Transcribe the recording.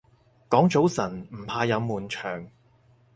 講早晨唔怕有悶場